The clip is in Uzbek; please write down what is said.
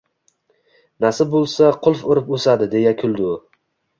— Nasib bo‘lsa, qulf urib o‘sadi! — deya kuldi u. —